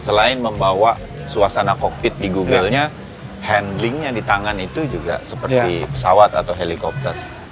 selain membawa suasana kokpit di googlenya handlingnya di tangan itu juga seperti pesawat atau helikopter